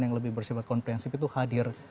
yang lebih bersifat komprehensif itu hadir